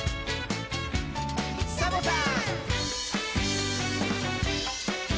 サボさん！